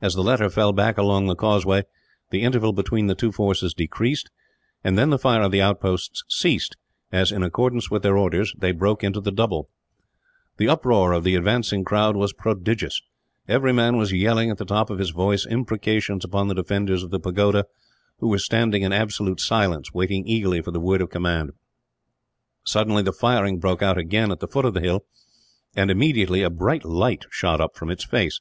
As the latter fell back along the causeway, the interval between the two forces decreased; and then the fire of the outposts ceased as, in accordance with their orders, they broke into the double. Illustration: The Burmese make a great effort to capture Pagoda Hill. The uproar of the advancing crowd was prodigious. Every man was yelling, at the top of his voice, imprecations upon the defenders of the pagoda; who were standing in absolute silence, waiting eagerly for the word of command. Suddenly the firing broke out again at the foot of the hill and, immediately, a bright light shot up from its face.